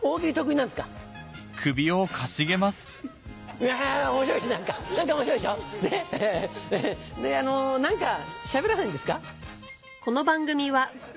あの何かしゃべらないんですか？